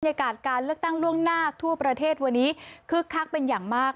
ยากาศการเลือกตั้งล่วงหน้าทั่วประเทศวันนี้คึกคักเป็นอย่างมาก